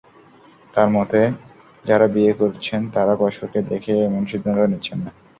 তাঁর মতে, যাঁরা বিয়ে করছেন, তাঁরা পরস্পরকে দেখে এমন সিদ্ধান্ত নিচ্ছেন না।